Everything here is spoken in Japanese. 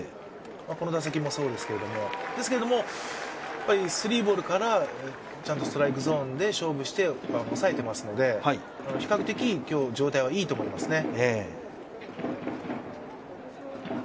この打席もそうですけど、スリーボールからちゃんとストライクゾーンで勝負して抑えていますので比較的、状態はいいと思いますね。